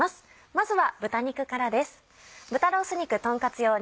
まずは豚肉からです。